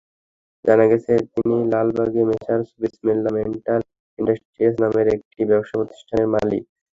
জানা গেছে, তিনি লালবাগে মেসার্স বিসমিল্লাহ মেটাল ইন্ডাস্ট্রিজ নামের একটি ব্যবসাপ্রতিষ্ঠানের মালিক।